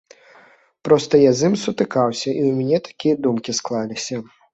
Проста я з ім сутыкаўся і ў мяне такія думкі склаліся.